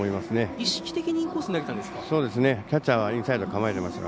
意識的にインコースに投げていたんですか？